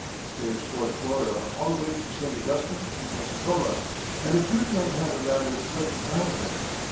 They explored Florida all the way from St. Augustine to Pensacola, and appear to have had a rather wretched time of it.